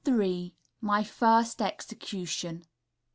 My First Execution.